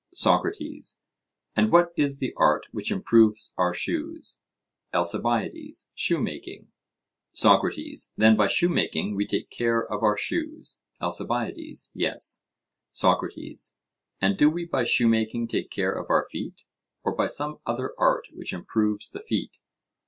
SOCRATES: And what is the art which improves our shoes? ALCIBIADES: Shoemaking. SOCRATES: Then by shoemaking we take care of our shoes? ALCIBIADES: Yes. SOCRATES: And do we by shoemaking take care of our feet, or by some other art which improves the feet?